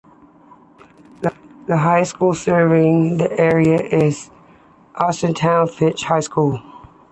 The high school serving the area is Austintown-Fitch High School.